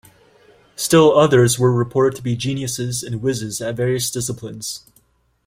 Still others were reported to be "geniuses" and "whizzes" at various disciplines.